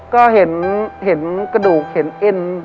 ก็เห็นกระดูกเห็นเอ็น